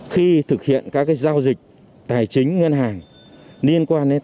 khi thực hiện các giao dịch tài chính ngân hàng liên quan đến tài khoản ngân hàng